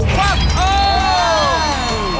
วัดเออ